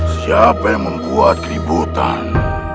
siapa yang membuat keributan